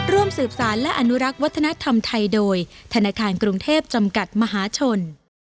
ร่วมสืบสารและอนุรักษ์วัฒนธรรมไทยโดยธนาคารกรุงเทพจำกัดมหาชน